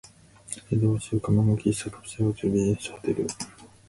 さて、どうしようか。漫画喫茶、カプセルホテル、ビジネスホテル、